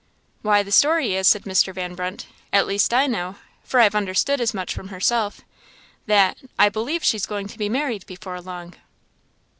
"Why, the story is," said Mr. Van Brunt "at least I know, for I've understood as much from herself, that I believe she's going to be married before long."